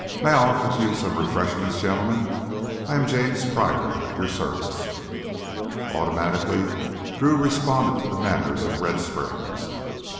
"May I offer you some refreshment, gentlemen. I am James Pryor, at your service " Automatically Drew responded to the manners of Red Springs.